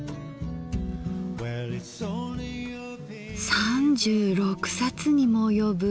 ３６冊にも及ぶ。